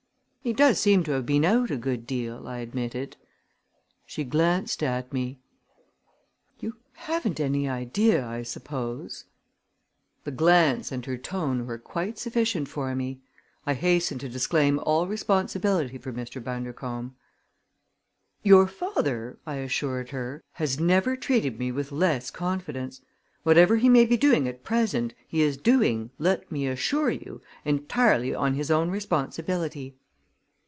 "He does seem to have been out a good deal," I admitted. She glanced at me. "You haven't any idea, I suppose " The glance and her tone were quite sufficient for me. I hastened to disclaim all responsibility for Mr. Bundercombe. "Your father," I assured her, "has never treated me with less confidence. Whatever he may be doing at present, he is doing, let me assure you, entirely on his own responsibility."